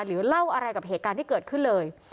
หรือเล่าอะไรกับเหตุการณ์ที่เกิดขึ้นเลย